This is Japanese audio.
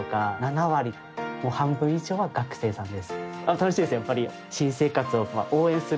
楽しいですよやっぱり。